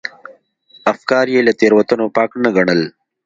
افکار یې له تېروتنو پاک نه ګڼل.